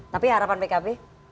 tapi harapan pkb